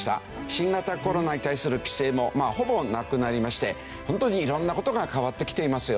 新型コロナに対する規制もほぼなくなりまして本当に色んな事が変わってきていますよね。